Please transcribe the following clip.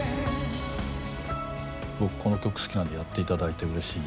僕この曲好きなんでやって頂いてうれしい。